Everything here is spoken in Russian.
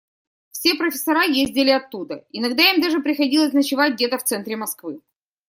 Все профессора ездили оттуда, иногда им даже приходилось ночевать где-то в центре Москвы.